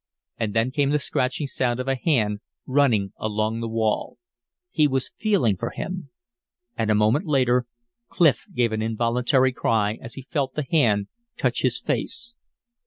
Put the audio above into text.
And then came the scratching sound of a hand running along the wall. He was feeling for him! And a moment later Clif gave an involuntary cry as he felt the hand touch his face.